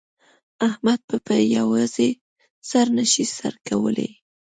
احمد په په یوازې سر نه شي سر کولای.